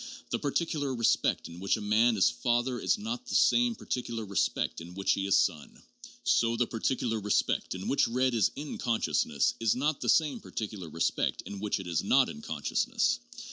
The particular respect in which a man is father is not the same particular respect in which he is son; so the particular respect in which red is in consciousness is not the same particular respect in which it is not in consciousness.